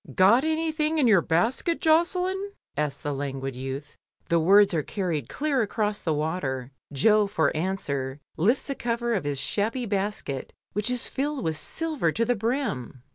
"Got anything in your basket, Josselin?" asks the languid youth; the words are carried clear across the water. Jo, for answer, lifts the cover of his shabby basket, which is filled with silver to the brim.